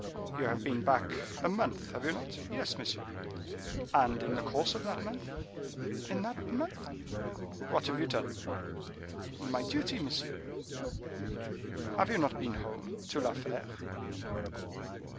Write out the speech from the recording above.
"You have been back a month, have you not?" "Yes, monsieur." "And in the course of that month?" "In that month—" "What have you done?" "My duty, monsieur." "Have you not been home, to La Fere?"